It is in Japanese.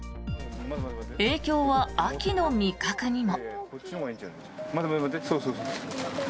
影響は秋の味覚にも。